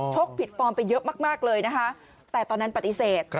ผิดฟอร์มไปเยอะมากเลยนะคะแต่ตอนนั้นปฏิเสธ